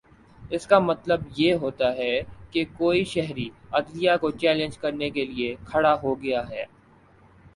اس کا مطلب یہ ہوتا ہے کہ کوئی شہری عدلیہ کو چیلنج کرنے کے لیے کھڑا ہو گیا ہے